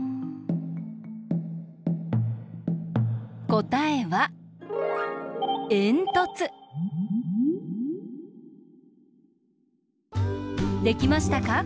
こたえはできましたか？